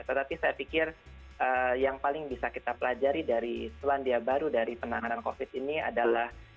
tetapi saya pikir yang paling bisa kita pelajari dari selandia baru dari penanganan covid ini adalah